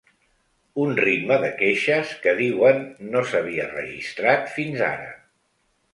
Un ritme de queixes que, diuen, no s’havia registrat fins ara.